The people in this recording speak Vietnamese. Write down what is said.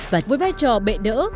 và với vai trò bệ đỡ